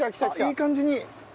いい感じに。